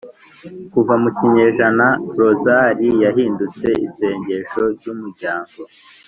kuva mu kinyejana rozali yahindutse isengesho ry’umuryango